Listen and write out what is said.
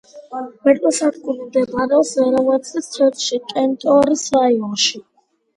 მეტროსადგური მდებარეობს ერევნის ცენტრში, კენტრონის რაიონში.